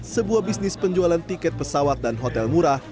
sebuah bisnis penjualan tiket pesawat dan hotel murah